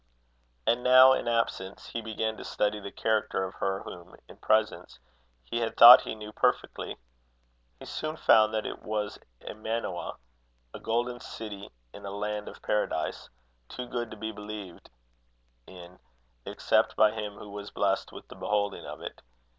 And now, in absence, he began to study the character of her whom, in presence, he had thought he knew perfectly. He soon found that it was a Manoa, a golden city in a land of Paradise too good to be believed in, except by him who was blessed with the beholding of it.